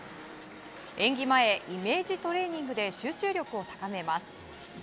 演技前、イメージトレーニングで集中力を高めます。